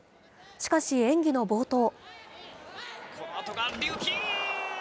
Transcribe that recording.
しかし、演技の冒頭。